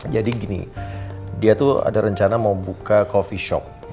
jadi gini dia tuh ada rencana mau buka coffee shop